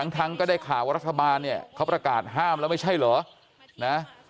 ทั้งก็ได้ข่าวว่ารัฐบาลเนี่ยเขาประกาศห้ามแล้วไม่ใช่เหรอนะ